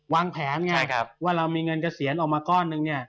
วางแผนไงว่าเรามีเงินเกษียณออกมาก้อนนึงเนี่ย